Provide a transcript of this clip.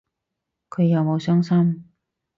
佢有冇傷心